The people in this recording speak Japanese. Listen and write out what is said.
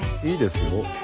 いいですよ。